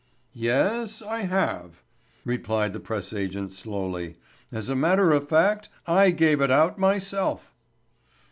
"Yes, I have," replied the press agent, slowly. "As a matter of fact I gave it out myself."